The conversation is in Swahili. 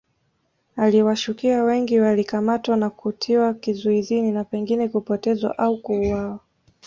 Aliwashukia wengi walikamatwa na kutiwa kizuizini na pengine kupotezwa au kuuawa